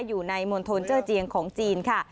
อยู่ในมณฑลเจอร์เจียงของจีนค่ะ